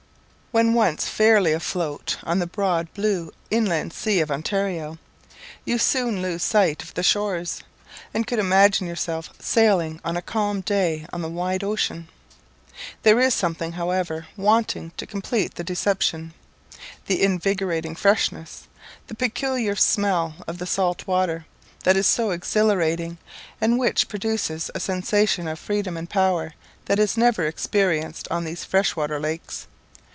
When once fairly afloat on the broad blue inland sea of Ontario, you soon lose sight of the shores, and could imagine yourself sailing on a calm day on the wide ocean. There is something, however, wanting to complete the deception, the invigorating freshness the peculiar smell of the salt water, that is so exhilarating, and which produces a sensation of freedom and power that is never experienced on these fresh water lakes.